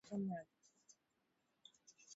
kwa kudeliver uwezo wa kutenda wawa